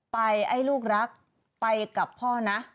ไอ้ลูกรักไปกับพ่อนะ